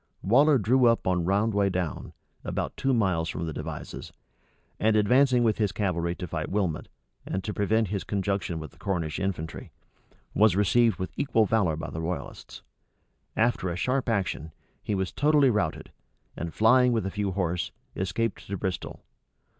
Waller drew up on Roundway Down, about two miles from the Devizes, and advancing with his cavalry to fight Wilmot, and prevent his conjunction with the Cornish infantry, was received with equal valor by the royalists. After a sharp action, he was totally routed, and flying with a few horse, escaped to Bristol.